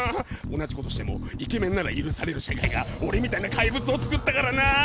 同じことしてもイケメンなら許される社会が俺みたいな怪物をつくったからな！